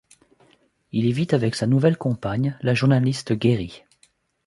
Il y vit avec sa nouvelle compagne, la journaliste Geri.